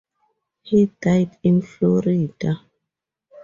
He died in Florida.